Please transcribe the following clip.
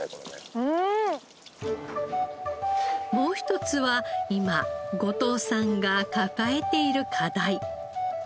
もう１つは今後藤さんが抱えている課題。